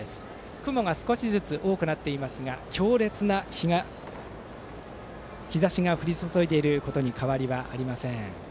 雲が少しずつ多くなっていますが強烈な日ざしが降り注いでいることに変わりはありません。